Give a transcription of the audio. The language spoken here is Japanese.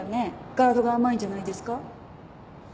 ガードが甘いんじゃないですか？